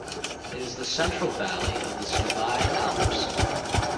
It is the central valley of the Stubai Alps.